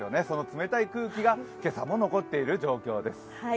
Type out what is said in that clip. その冷たい空気が今朝も残っている状況です。